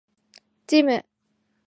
ジム